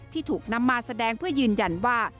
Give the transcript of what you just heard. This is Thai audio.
ที่ถูกนำมาแสดงเพื่อยืนยันว่า